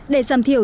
để giảm thiểu